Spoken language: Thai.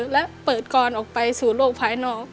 และเปิดกรออกไปสู่โลกภายนอก